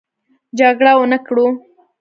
جګړه ونه کړو.